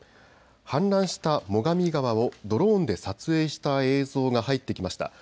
氾濫した最上川をドローンで撮影した映像が入ってきました。